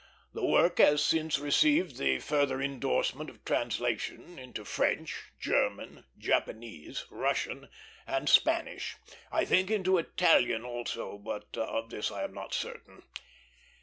The work has since received the further indorsement of translation into French, German, Japanese, Russian, and Spanish; I think into Italian also, but of this I am not certain.